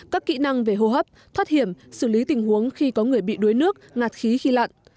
các kỹ năng về hô hấp thoát hiểm xử lý tình huống khi có người bị đuối nước ngạt khí khi lặn